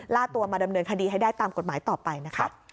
ล่าตัวมาดำเนินคดีให้ได้ตามกฎหมายต่อไปนะคะ